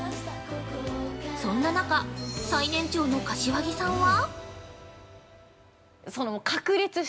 そんな中、最年長の柏木さんは？